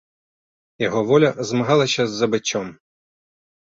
Яго воля змагалася з забыццём.